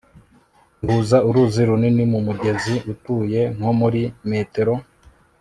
ihuza uruzi runini mu mugezi utuje nko muri metero